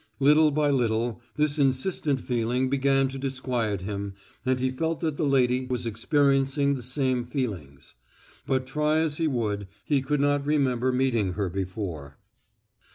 Little by little this insistent feeling began to disquiet him, and he felt that the lady was experiencing the same feelings. But try as he would he could not remember meeting her before.